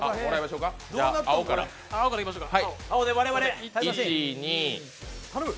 青からいきましょうか。